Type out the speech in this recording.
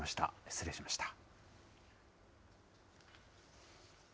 失礼しました。